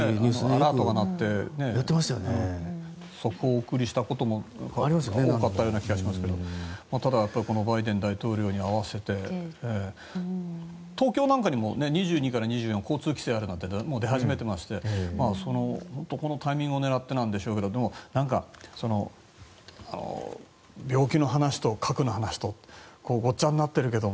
アラートが鳴って速報をお送りしたことも多かった気がしますがただ、バイデン大統領に合わせて東京なんかにも２２から２４交通規制があるなんて出始めていまして本当にこのタイミングを狙ってなんでしょうけどでも、病気の話と核の話とごっちゃになっているけど